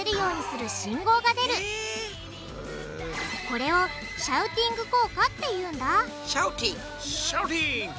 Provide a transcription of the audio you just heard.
これを「シャウティング効果」って言うんだシャウティング！